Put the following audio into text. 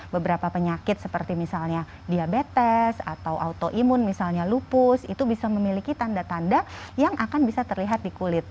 beberapa penyakit seperti misalnya diabetes atau autoimun misalnya lupus itu bisa memiliki tanda tanda yang akan bisa terlihat di kulit